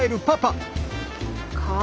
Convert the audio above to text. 「か」